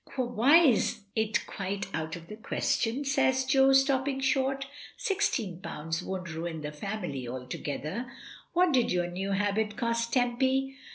"Why is it quite out of the question?" sa)rs Jo, stopping short; "sixteen pounds won't ruin the family altogether. What did your new habit cost, Tempy?"